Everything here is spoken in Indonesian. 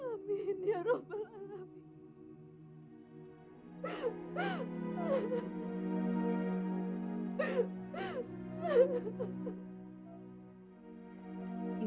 amin ya roh bal alamin